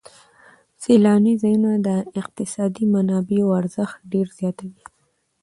سیلاني ځایونه د اقتصادي منابعو ارزښت ډېر زیاتوي.